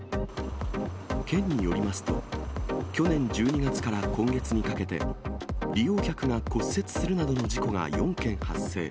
県によりますと、去年１２月から今月にかけて、利用客が骨折するなどの事故が４件発生。